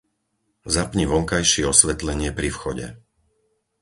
Zapni vonkajšie osvetlenie pri vchode.